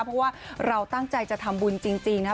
เพราะว่าเราตั้งใจจะทำบุญจริงนะครับ